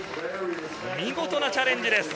見事なチャレンジです。